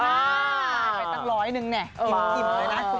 ไปตั้งร้อยหนึ่งเนี่ย